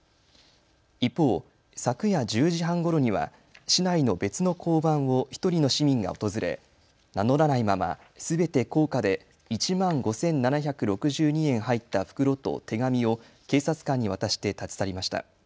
一方、昨夜１０時半ごろには市内の別の交番を１人の市民が訪れ、名乗らないまますべて硬貨で１万５７６２円入った袋と手紙を警察官に渡して立ち去りました。